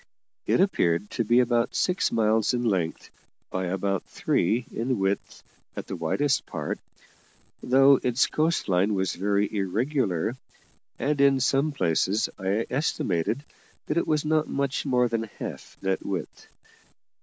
It appeared to be about six miles in length by about three in width at the widest part, though its coast line was very irregular, and, in some places, I estimated that it was not much more than half that width.